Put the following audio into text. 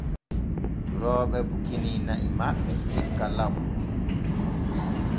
Durooɓe bukini na'i maɓɓe hikka law.